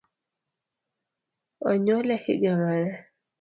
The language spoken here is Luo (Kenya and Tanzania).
Onyuole higa mane?